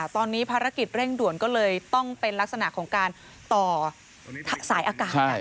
ตอนนี้ภารกิจเร่งด่วนก็เลยต้องเป็นลักษณะของการต่อสายอากาศ